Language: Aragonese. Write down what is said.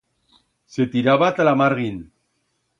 Se tiraba ta la marguin.